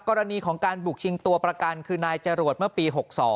กรณีของการบุกชิงตัวประกันคือนายจรวดเมื่อปี๖๒